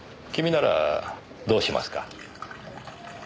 君ならどうしますか？